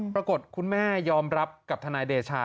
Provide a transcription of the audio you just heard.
ปรากฏคุณแม่ยอมรับกับธนายเดชา